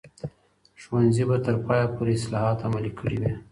ښوونځي به تر پایه پورې اصلاحات عملي کړي وي.